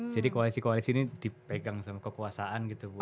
jadi koalisi koalisi ini dipegang sama kekuasaan gitu pun